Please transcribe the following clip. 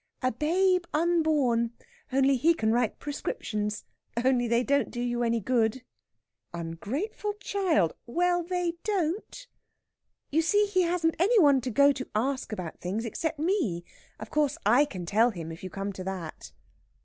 "A babe unborn only he can write prescriptions. Only they don't do you any good. ("Ungrateful child!"... "Well, they don't.") You see, he hasn't any one to go to to ask about things except me. Of course I can tell him, if you come to that!"